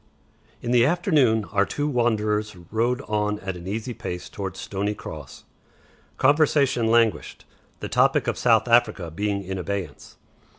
In the afternoon our two wanderers rode on at an easy pace towards Stoney Cross. Conversation languished, the topic of South Africa being in abeyance.